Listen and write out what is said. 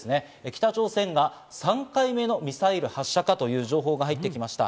北朝鮮が３回目のミサイル発射か？という情報が入ってきました。